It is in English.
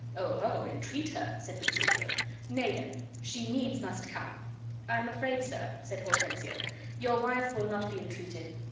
"Oh ho! entreat her!" said Petruchio. "Nay, then, she needs must come." "I am afraid, sir," said Hortensio, "your wife will not be entreated."